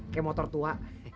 kayak motor tua